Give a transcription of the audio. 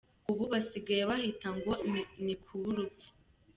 Ubu basigaye bahita ngo ni ‘ku w’urupfu’.